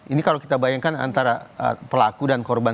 ini kalau kita bayangkan antara pelaku dan korban